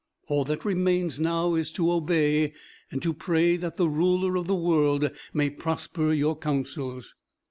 All that remains now is to obey, and to pray that the Ruler of the world may prosper your counsels."